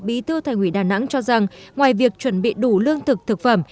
bí thư thành ủy đà nẵng cho rằng ngoài việc chuẩn bị đủ lương thực thực phẩm